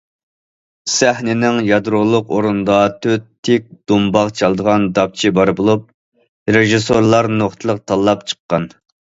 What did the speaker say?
سەھنىنىڭ يادرولۇق ئورنىدا تۆت تىك دۇمباق چالىدىغان داپچى بار بولۇپ، رېژىسسورلار نۇقتىلىق تاللاپ چىققان.